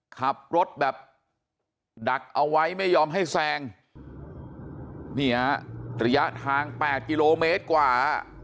ขับรถแบบดักเอาไว้ไม่ยอมให้แซงนี่ฮะระยะทาง๘กิโลเมตรกว่า